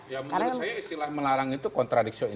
ya menurut saya istilah melarang itu kontradiksi